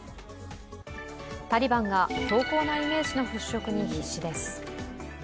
タリバンが強硬なイメージの払拭に必死です。